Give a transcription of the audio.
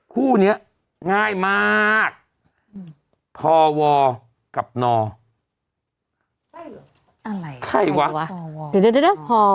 คู่เนี้ยง่ายมากพอวอร์กับนอใช่หรออะไรใครวะพอวอร์